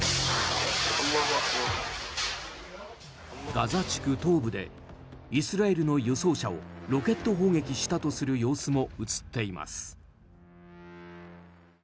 ガザ地区東部でイスラエルの輸送車をロケット砲撃したとする様子も映っています。